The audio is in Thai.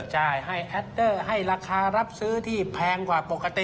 ใช่ให้แอดเตอร์ให้ราคารับซื้อที่แพงกว่าปกติ